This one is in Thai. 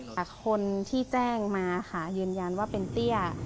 แต่คนที่แจ้งมาค่ะยืนยันว่าเป็นเตี้ย